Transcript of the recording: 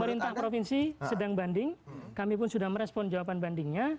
pemerintah provinsi sedang banding kami pun sudah merespon jawaban bandingnya